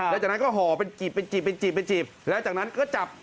แล้วจากนั้นก็ห่อไปจีบแล้วจากนั้นก็จับ